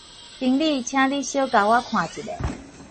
行李請你小共我看一下